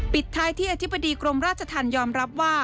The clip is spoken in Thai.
ปิดท้ายที่อธิบดีกรมราชธรรมยอมรับว่า